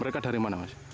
mereka dari mana mas